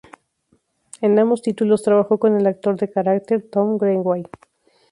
En ambos títulos trabajó con el actor de carácter Tom Greenway.